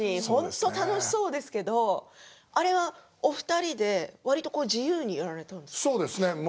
本当に楽しそうですけどあれはお二人で、わりと自由にやられたんですか？